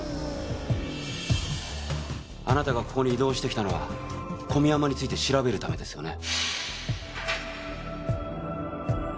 あなたがここに異動してきたのは小宮山について調べるためですよね？